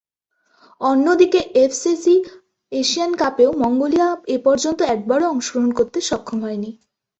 অন্যদিকে, AFC Asian কাপেও Mongolia এপর্যন্ত একবারও অংশগ্রহণ করতে সক্ষম হয়নি।